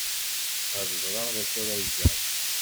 Ad ẓreɣ d acu ara geɣ.